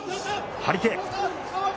張り手。